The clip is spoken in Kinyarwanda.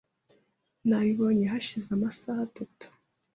Nabibonye hashize amasaha atatu .